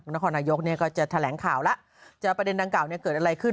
นครนายกเนี่ยก็จะแถลงข่าวแล้วจะประเด็นดังกล่าเนี่ยเกิดอะไรขึ้น